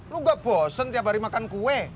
lu gak bosen tiap hari makan kue